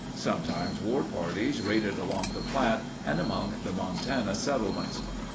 Sometimes war parties raided along the Platte and among the Montana settlements.